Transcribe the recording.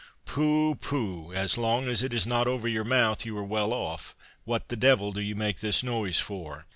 "Pooh, pooh! as long as it is not over your mouth, you are well off; what the devil do you make this noise for?"